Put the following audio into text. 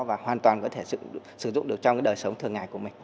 và hoàn toàn có thể sử dụng được trong đời sống thường ngày của mình